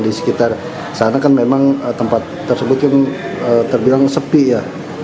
di sekitar sana kan memang tempat tersebut kan terbilang sepi ya